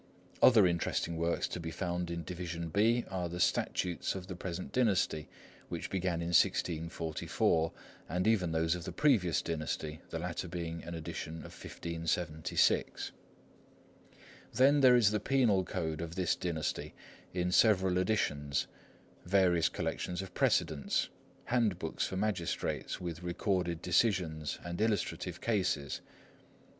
Other interesting works to be found in Division B are the Statutes of the present dynasty, which began in 1644, and even those of the previous dynasty, the latter being an edition of 1576. Then there is the Penal Code of this dynasty, in several editions; various collections of precedents; handbooks for magistrates, with recorded decisions and illustrative cases.